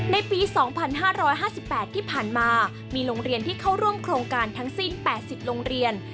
ในปี๒๕๕๘ที่ผ่านมามีโรงเรียนที่เข้าร่วมโครงการทั้งสิ้น๘๐โรงเรียน